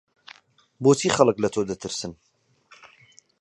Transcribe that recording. بۆچی خەڵک لە تۆ دەترسن؟